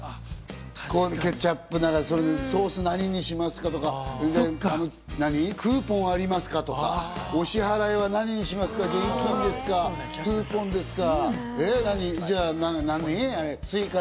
ケチャップとか、ソース何にしますか？とか、クーポンありますか？とか、支払いは何にしますか？とか、クーポンですか？